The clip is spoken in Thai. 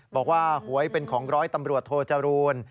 บอกว่าหวยเป็นของร้อยตำรวจโทจรูล